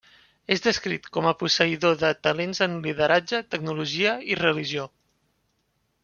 És descrit com a posseïdor de talents en lideratge, tecnologia i religió.